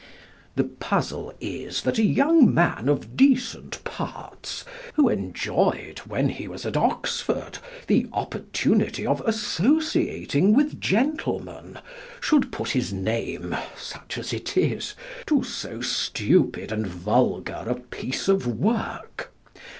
The puzzle is that a young man of decent parts, who enjoyed (when he was at Oxford), the opportunity of associating with gentlemen, should put his name (such as it is) to so stupid and vulgar a piece of work.